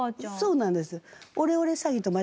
そうなんです。